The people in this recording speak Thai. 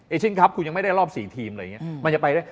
เอเชนครับคุณยังไม่ได้รอบสี่ทีมเลยอย่างเงี้ย